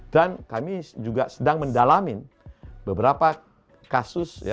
dan kami juga sedang mendalami beberapa kasus